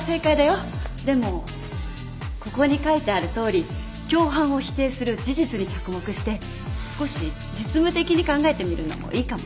でもここに書いてあるとおり共犯を否定する事実に着目して少し実務的に考えてみるのもいいかもよ。